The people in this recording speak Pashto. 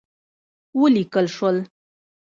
وليکل شول: